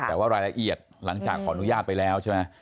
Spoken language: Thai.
แต่ว่ารายละเอียดหลังจากขออนุญาตไปแล้วใช่ไหม